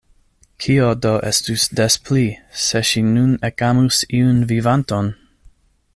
Kio do estus des pli, se ŝi nun ekamus iun vivanton!